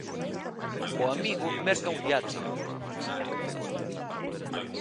O amigo merca un iate.